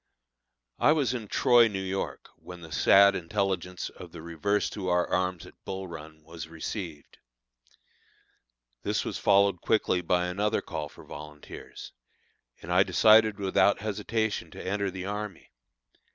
I was in Troy, New York, when the sad intelligence of the reverse to our arms at Bull Run, was received. This was followed quickly by another call for volunteers, and I decided without hesitation to enter the army.